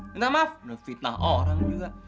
minta maaf menurut fitnah orang juga